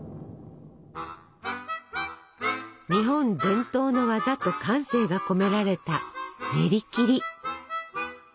日本伝統の技と感性が込められたねりきり。